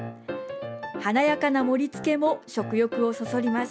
華やかな盛りつけも食欲をそそります。